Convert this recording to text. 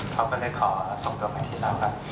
เขาก็เลยขอส่งตัวมาทีแล้วครับ